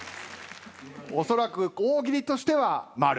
おそらく大喜利としてはマル。